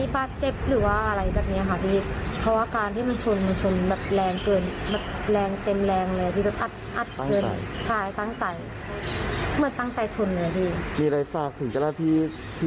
เป็นทำให้กับแฟนหนูนั่นละค่ะพี่